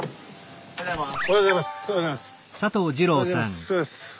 おはようございます。